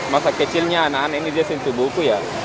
masa kecilnya anak anak ini dia sentuh buku ya